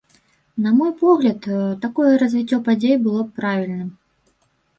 На мой погляд, такое развіццё падзей было б правільным.